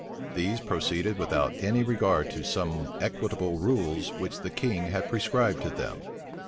These proceeded without any regard to some equitable rules which the king had prescribed to them.